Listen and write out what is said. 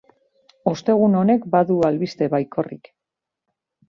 Ostegun honek badu albiste baikorrik.